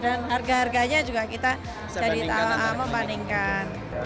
dan harga harganya juga kita jadi tahu membandingkan